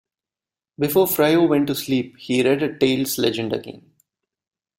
Before Frio went to sleep, he read a Tales legend again.